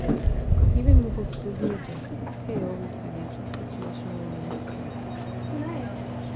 Even with this busy agenda, Paoli's financial situation remained strained.